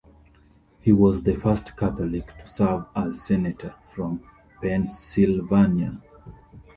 He was the first Catholic to serve as Senator from Pennsylvania.